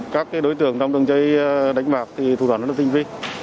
các đối tượng trong đường chơi đánh bạc thì thủ đoàn nó là tinh vi